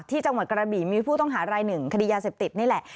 จังหวัดกระบี่มีผู้ต้องหารายหนึ่งคดียาเสพติดนี่แหละ